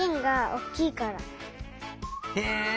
へえ。